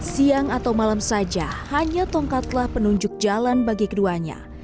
siang atau malam saja hanya tongkatlah penunjuk jalan bagi keduanya